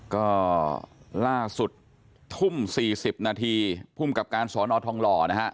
ก็ล่าสุดทุ่ม๔๐นาทีภูมิกับการสอนอทองหล่อนะฮะ